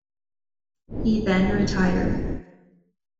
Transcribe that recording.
He then retired.